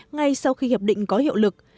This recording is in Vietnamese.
ngay sau khi hiệp định có hiệu lực